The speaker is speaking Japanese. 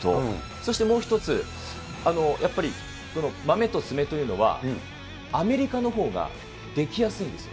そしてもう１つ、やっぱり、マメと爪というのは、アメリカのほうが出来やすいんですよ。